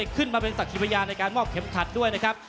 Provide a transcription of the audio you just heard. ขึ้นมาเป็นศักดิ์พยานในการมอบเข็มขัดด้วยนะครับ